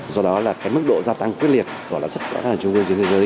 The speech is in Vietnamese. do đó mức độ gia tăng quyết liệt của lãi suất của các trung ương trên thế giới